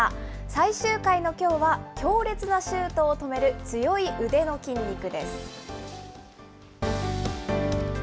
最終回のきょうは、強烈なシュートを止める強い腕の筋肉です。